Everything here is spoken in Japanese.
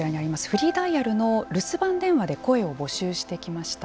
フリーダイヤルの留守番電話で声を募集してきました。